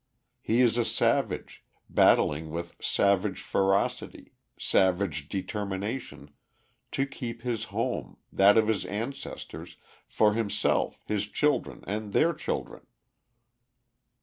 He is a savage, battling with savage ferocity, savage determination, to keep his home, that of his ancestors, for himself, his children, and their children.